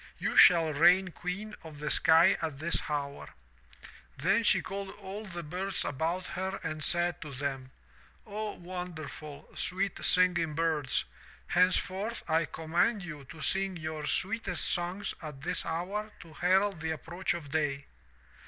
You shall reign queen of the sky at this hour.' 'Then she called all the birds about her and said to them, *0, wonderful, sweet singing birds, henceforth I command you to sing your sweetest songs at this hour to herald the approach of day.'